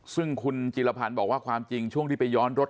ซึ่งคุณจิลพันธ์บอกว่าความจริงช่วงที่ไปย้อนรถ